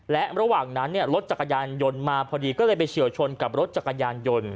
และระหว่างนั้นรถจักรยานยนต์มาพอดีก็เลยไปเฉียวชนกับรถจักรยานยนต์